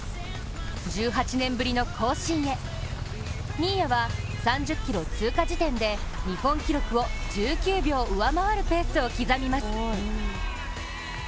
１８年ぶりの更新へ、新谷は３０ｋｍ通過地点で日本記録を１９秒上回るペースを刻みます。